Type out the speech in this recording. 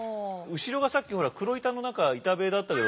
後ろがさっきほら黒板の何か板塀だったけど。